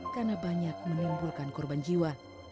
karena banyak menimbulkan korban jiwa